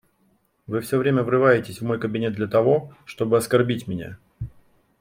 Вы все время врываетесь в мой кабинет для того, чтобы оскорбить меня.